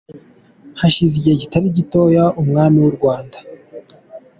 Hashize igihe kitari gito, umwami w’u Rwanda